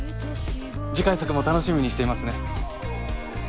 次回作も楽しみにしていますね。